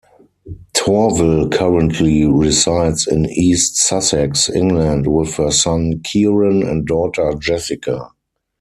Torvill currently resides in East Sussex, England, with her son Kieran and daughter Jessica.